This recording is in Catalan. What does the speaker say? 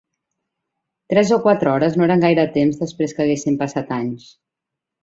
Tres o quatre hores no eren gaire temps després que haguessin passat anys.